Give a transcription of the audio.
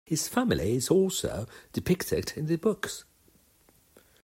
His family is also depicted in the books.